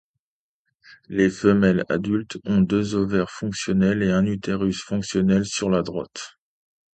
Les femelles adultes ont deux ovaires fonctionnels et un utérus fonctionnel, sur la droite.